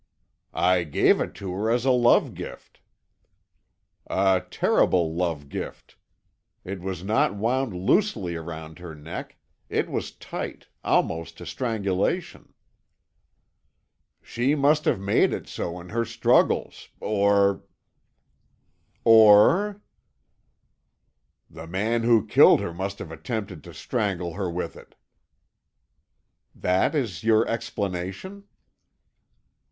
"I gave it to her as a love gift." "A terrible love gift. It was not wound loosely round her neck; it was tight, almost to strangulation." "She must have made it so in her struggles, or " "Or?" "The man who killed her must have attempted to strangle her with it." "That is your explanation?"